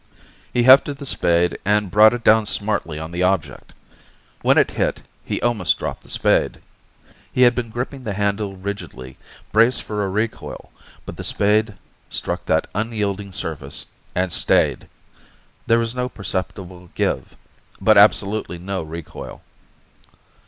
He hefted the spade and brought it down smartly on the object. When it hit, he almost dropped the spade. He had been gripping the handle rigidly, braced for a recoil. But the spade struck that unyielding surface and stayed. There was no perceptible give, but absolutely no recoil.